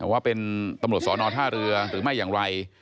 ว่าเป็นตำรวจสอนอท่าเรือหรือไม่อย่างไร